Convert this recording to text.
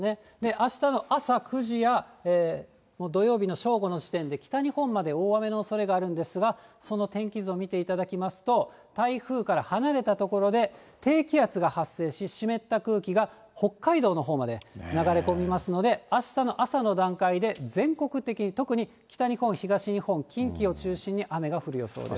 あしたの朝９時や土曜日の正午の時点で北日本まで大雨のおそれがあるんですが、その天気図を見ていただきますと、台風から離れた所で低気圧が発生し、湿った空気が北海道のほうまで流れ込みますので、あしたの朝の段階で、全国的に、特に北日本、東日本、近畿を中心に雨が降る予想です。